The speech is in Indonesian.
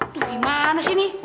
tuh gimana sih ini